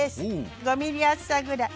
５ｍｍ厚さぐらい。